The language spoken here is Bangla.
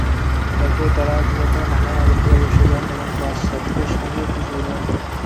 এরপর তাঁরা কলকাতা-ঢাকা-আগরতলা বাসে যান এবং বাস যাত্রীদের সঙ্গে কুশল বিনিময় করেন।